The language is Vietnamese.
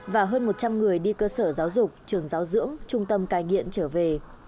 và hơn một trăm linh người đi cơ sở giáo dục trường giáo dưỡng trung tâm cai nghiện trở về